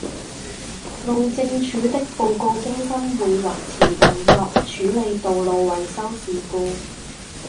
路政署的報告中心會維持運作，處理道路維修事故